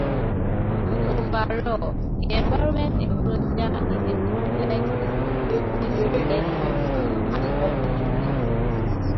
Overall, the environment in Russia is a complex issue with both challenges and opportunities.